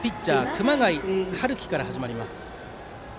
熊谷陽輝から始まります。